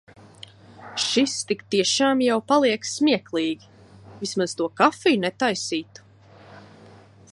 Šis tik tiešām jau paliek smieklīgi, vismaz to kafiju netaisītu.